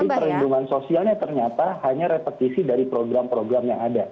tapi perlindungan sosialnya ternyata hanya repetisi dari program program yang ada